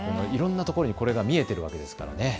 いろんなところにこれが見えているわけですからね。